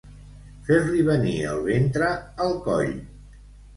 Fer-li venir el ventre al coll.